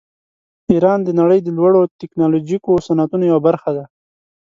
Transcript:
ایران د نړۍ د لوړو ټیکنالوژیکو صنعتونو یوه برخه ده.